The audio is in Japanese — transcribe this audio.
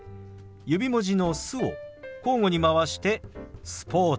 指文字の「す」を交互に回して「スポーツ」。